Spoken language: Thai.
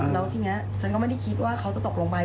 แล้วทีนี้ฉันก็ไม่ได้คิดว่าเขาจะตกลงไป